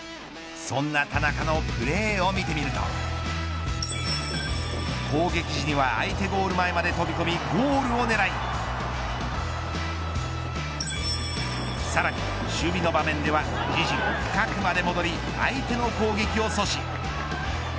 そんな田中のプレーを見てみると攻撃時には相手ゴール前まで飛び込みゴールを狙いさらに守備の場面では自陣深くまで戻り相手の攻撃を阻止。